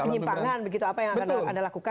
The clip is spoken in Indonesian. penyimpangan begitu apa yang akan anda lakukan